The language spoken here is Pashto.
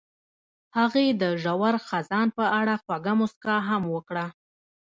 هغې د ژور خزان په اړه خوږه موسکا هم وکړه.